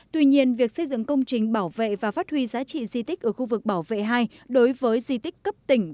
tuy nhiên việc xây dựng công trình bảo vệ và phát huy giá trị di tích ở khu vực bảo vệ hai đối với di tích cấp tỉnh